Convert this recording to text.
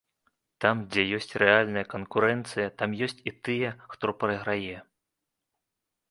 Там, дзе ёсць рэальная канкурэнцыя, там ёсць і тыя, хто прайграе.